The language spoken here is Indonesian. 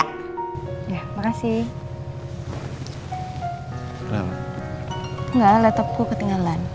kira masih lama deh soalnya ini juga lagi proses